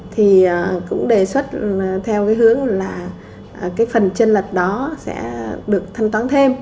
thì cũng đề xuất theo hướng là phần chân lật đó sẽ được thanh toán thêm